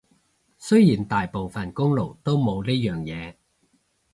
雖然大部分公路都冇呢樣嘢